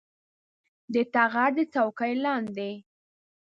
د ټغر د څوکې لاندې